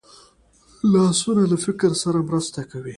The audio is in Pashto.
لاسونه له فکر سره مرسته کوي